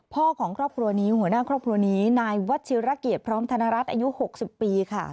ครอบครัวของครอบครัวนี้หัวหน้าครอบครัวนี้นายวัชิรเกียรติพร้อมธนรัฐอายุ๖๐ปีค่ะ